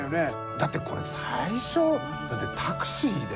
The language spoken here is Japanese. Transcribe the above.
だってこれ最初タクシーで。